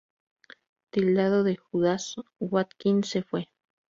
Tildado de "Judas", Watkins se fue.